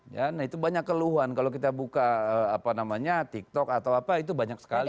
ya nah itu banyak keluhan kalau kita buka apa namanya tiktok atau apa itu banyak sekali